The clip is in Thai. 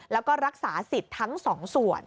แล้วก็รักษาสิทธิ์ทั้งสองส่วน